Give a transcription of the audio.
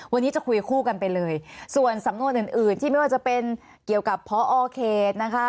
วันนี้จะคุยคู่กันไปเลยส่วนสำนวนอื่นอื่นที่ไม่ว่าจะเป็นเกี่ยวกับพอเขตนะคะ